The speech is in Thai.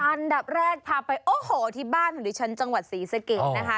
อันดับแรกพาไปโอ้โหที่บ้านหรือชั้นจังหวัดศรีสะเกียจนะคะอ๋อ